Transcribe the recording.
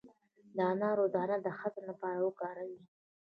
د انار دانه د هضم لپاره وکاروئ